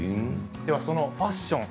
そのファッション